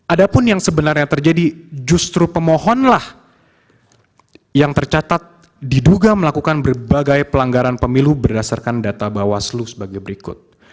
ada pun yang sebenarnya terjadi justru pemohonlah yang tercatat diduga melakukan berbagai pelanggaran pemilu berdasarkan data bawaslu sebagai berikut